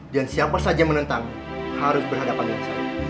dan siapa saja menentang harus berhadapan dengan sabar